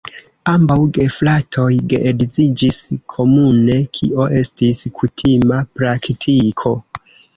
Ambaŭ gefratoj geedziĝis komune, kio estis kutima praktiko.